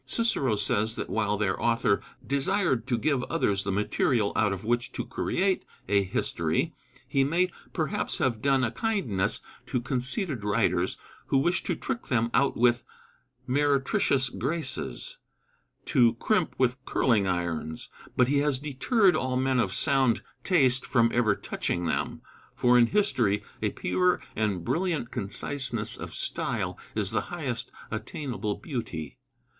Cicero says that while their author "desired to give others the material out of which to create a history, he may perhaps have done a kindness to conceited writers who wish to trick them out with meretricious graces" (to "crimp with curling irons"), "but he has deterred all men of sound taste from ever touching them. For in history a pure and brilliant conciseness of style is the highest attainable beauty."